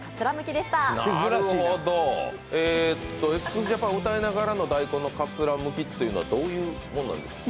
ＸＪＡＰＡＮを歌いながらの大根のかつらむきというのは、どういうものなんですか？